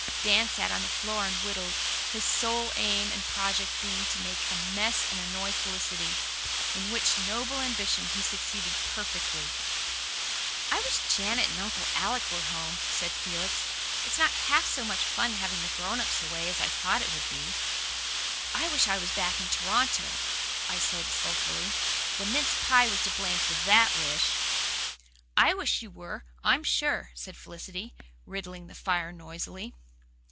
Dan sat on the floor and whittled, his sole aim and object being to make a mess and annoy Felicity, in which noble ambition he succeeded perfectly. "I wish Aunt Janet and Uncle Alec were home," said Felix. "It's not half so much fun having the grown ups away as I thought it would be." "I wish I was back in Toronto," I said sulkily. The mince pie was to blame for THAT wish. "I wish you were, I'm sure," said Felicity, riddling the fire noisily.